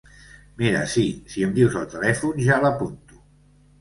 Mira si, si em dius el telèfon ja l'apunto.